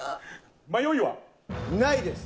迷いは？ないです。